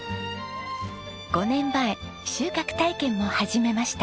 ５年前収穫体験も始めました。